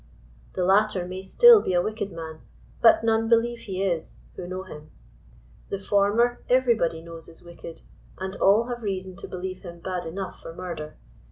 The latter may still be a wicked man, but none believe he is, who know him. The former every body knows is wicked, and all have reason to believe him bad enough for murder.